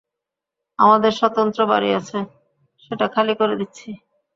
আমাদের স্বতন্ত্র বাড়ি আছে, সেটা খালি করে দিচ্ছি।